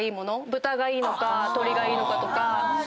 豚がいいのか鶏がいいのかとか。